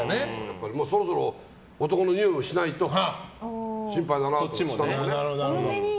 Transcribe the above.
そろそろ男のにおいもしないと心配だなと。